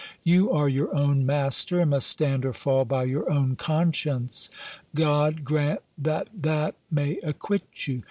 You are your own master, and must stand or fall by your own conscience. God grant that that may acquit you!